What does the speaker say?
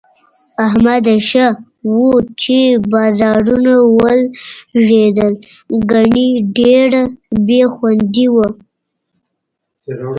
احمده! ښه وو چې بازارونه ولږېدل، گني ډېره بې خوندي وه.